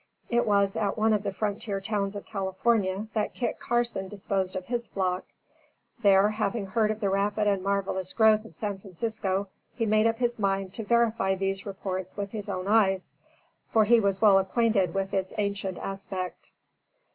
It was at one of the frontier towns of California that Kit Carson disposed of his flock. There having heard of the rapid and marvelous growth of San Francisco, he made up his mind to verify these reports with his own eyes, for he was well acquainted with its ancient aspect.